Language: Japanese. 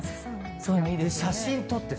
そういうのいいですよね。